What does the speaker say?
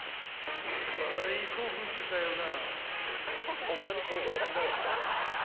［大興奮してたよな］